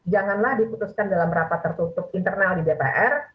janganlah diputuskan dalam rapat tertutup internal di dpr